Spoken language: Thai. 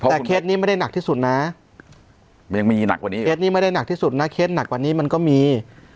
แต่เคสนี้ไม่ได้หนักที่สุดนะเคสนี้ไม่ได้หนักที่สุดนะเคสหนักกว่านี้มันก็มี